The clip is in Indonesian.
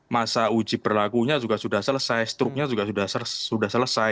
masa uji berlakunya juga sudah selesai struknya juga sudah selesai